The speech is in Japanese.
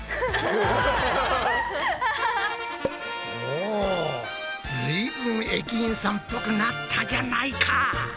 おずいぶん駅員さんっぽくなったじゃないか。